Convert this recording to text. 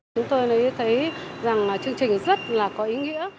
chúng tôi thấy chương trình rất có ý nghĩa